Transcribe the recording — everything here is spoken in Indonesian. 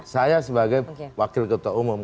saya sebagai wakil ketua umum